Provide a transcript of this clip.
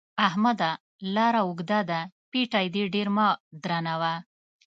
احمده! لاره اوږده ده؛ پېټی دې ډېر مه درنوه.